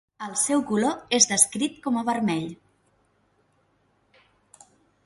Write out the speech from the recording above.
El seu color és descrit com a vermell.